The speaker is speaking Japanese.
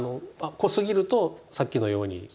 濃すぎるとさっきのように。